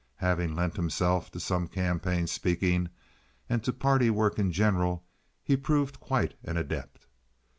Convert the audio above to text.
Having lent himself to some campaign speaking, and to party work in general, he proved quite an adept.